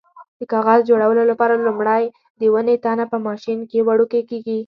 د کاغذ جوړولو لپاره لومړی د ونې تنه په ماشین کې وړوکی کېږي.